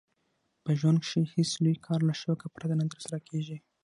په ژوند کښي هېڅ لوى کار له شوقه پرته نه ترسره کېږي.